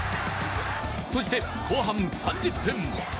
そして後半３０分。